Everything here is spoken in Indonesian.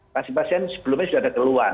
pasien pasien sebelumnya sudah ada keluhan